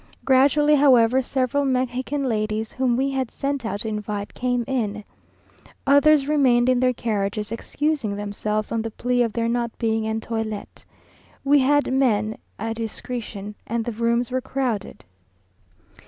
Gradually, however, several Mexican ladies, whom we had sent out to invite, came in. Others remained in their carriages, excusing themselves on the plea of their not being en toilette. We had men à discrétion, and the rooms were crowded.